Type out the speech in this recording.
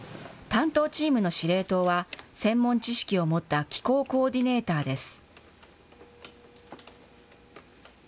担当チームの司令塔は、専門知識を持った気候コーディネーターです。